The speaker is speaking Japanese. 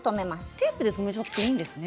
テープで留めちゃっていいんですね。